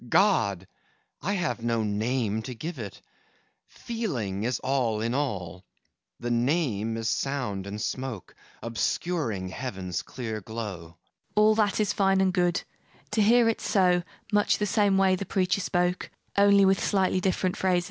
God! I have no name to give it! Feeling is all in all: The Name is sound and smoke, Obscuring Heaven's clear glow. MARGARET All that is fine and good, to hear it so: Much the same way the preacher spoke, Only with slightly different phrases.